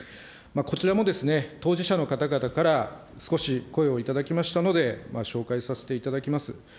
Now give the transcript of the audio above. こちらもですね、当事者の方々から、少し声を頂きましたので、紹介させていただきます。